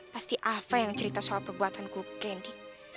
pasti alva yang cerita soal perbuatanku candy